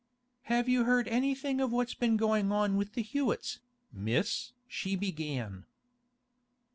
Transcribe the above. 'Have you heard anything of what's been goin' on with the Hewetts, Miss?' she began.